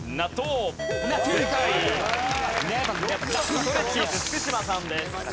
ストレッチーズ福島さんです。